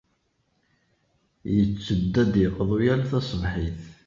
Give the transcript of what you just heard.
Yetteddu ad d-yeqḍu yal taṣebḥit.